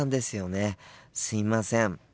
すいません。